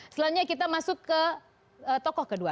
selanjutnya kita masuk ke tokoh kedua